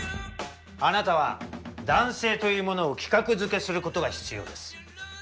あなたは男性というものを規格づけすることが必要です。